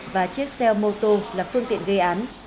và chiếc xe mô tô là phương tiện gây án